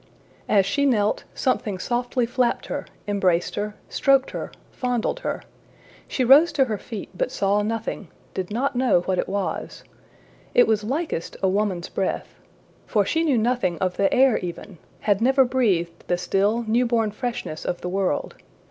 As she knelt, something softly flapped her, embraced her, stroked her, fondled her. She rose to her feet but saw nothing, did not know what it was. It was likest a woman's breath. For she knew nothing of the air even, had never breathed the still, newborn freshness of the world.